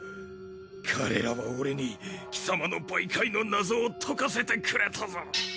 彼らは俺に貴様の媒介の謎を解かせてくれたぞ。